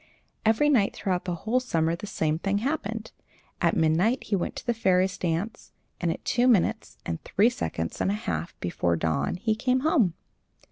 Every night throughout the whole summer the same thing happened. At midnight he went to the fairies' dance; and at two minutes and three seconds and a half before dawn he came home.